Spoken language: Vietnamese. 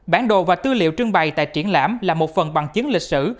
bản đồ và tư liệu trưng bày tại triển lãm là một phần bằng chứng lịch sử